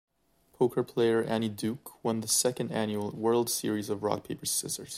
Poker player Annie Duke won the Second Annual World Series of Rock Paper Scissors.